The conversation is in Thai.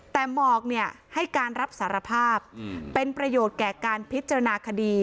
แต่หมอกให้การรับสารภาพเป็นประโยชน์แก่การพิจารณาคดี